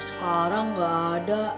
sekarang enggak ada